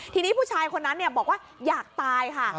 ทีนี้ผู้ชายคนนั้นบอกว่าอยากตายค่ะ